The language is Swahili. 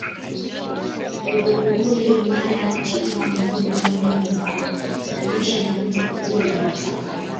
Ikombagulu himaya ya chifu Mwamududa Wengi walimfananisha na mtu wa kabila la wakamba